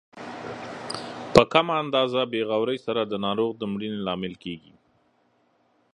په کمه اندازه بې غورۍ سره د ناروغ د مړینې لامل کیږي.